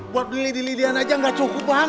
buat beli di lidyan aja gak cukup bang